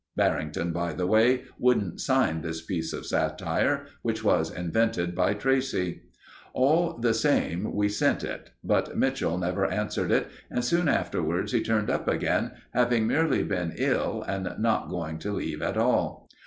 Barrington, by the way, wouldn't sign this piece of satire, which was invented by Tracey. All the same, we sent it, but Mitchell never answered it, and soon afterwards he turned up again, having merely been ill and not going to leave at all.